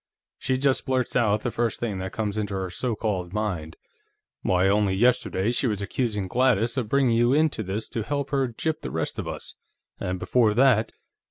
She just blurts out the first thing that comes into her so called mind; why, only yesterday she was accusing Gladys of bringing you into this to help her gyp the rest of us. And before that